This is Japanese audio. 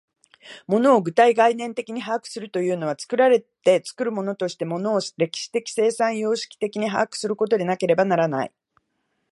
物を具体概念的に把握するというのは、作られて作るものとして物を歴史的生産様式的に把握することでなければならない。